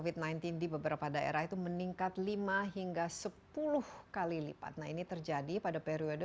covid sembilan belas di beberapa daerah itu meningkat lima hingga sepuluh kali lipat nah ini terjadi pada periode